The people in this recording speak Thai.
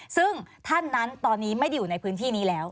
ซึ่งท่านนั้นตอนนี้ไม่ได้อยู่ในพื้นที่นี้แล้ว